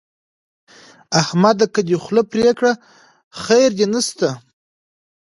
احمد ده که دې خوله پرې کړه؛ خير دې نه شته.